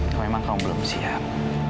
kalau emang kamu belum siap